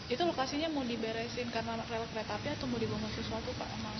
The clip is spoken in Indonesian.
itu lokasinya mau diberesin karena relak retapnya atau mau dibungkus sesuatu pak